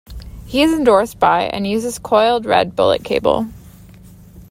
He is endorsed by and uses coiled red Bullet Cable.